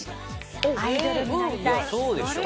いやそうでしょ。